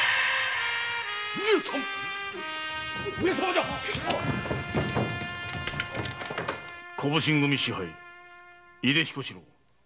上様⁉小普請組支配井出彦四郎